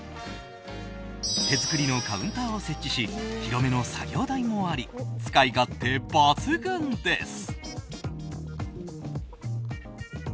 手作りのカウンターを設置し広めの作業台もあり使い勝手抜群です。